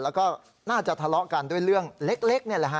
แล้วก็น่าจะทะเลาะกันด้วยเรื่องเล็กนี่แหละฮะ